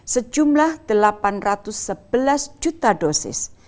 sejumlah delapan ratus sebelas juta dosis